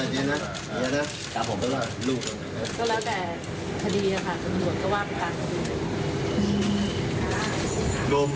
คดีนะค่ะประมาณมือก็ว่าอาจมือกัน